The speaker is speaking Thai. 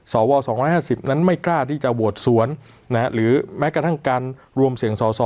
สว๒๕๐นั้นไม่กล้าที่จะโหวตสวนหรือแม้กระทั่งการรวมเสียงสอสอ